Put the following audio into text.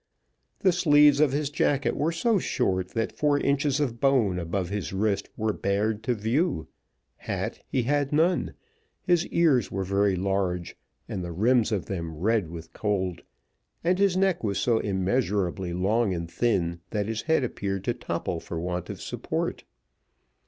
The sleeves of his jacket were so short, that four inches of bone above his wrist were bared to view hat he had none his ears were very large, and the rims of them red with cold, and his neck was so immeasurably long and thin, that his head appeared to topple for want of support.